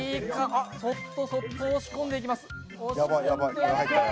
そっと、そっと押し込んでいきます。